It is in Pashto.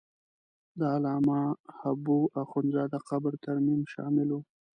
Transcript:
د علامه حبو اخند زاده قبر ترمیم شامل و.